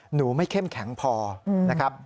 หนูไม่เข้มแข็งพอนะครับ